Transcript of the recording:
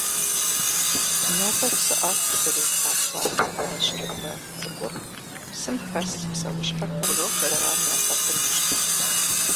Нобэ псыӏэф фызэрефа пластик бащырбэ цӏыкур, псым хэс псуэщхьэхэм заран яхуэхъунущ.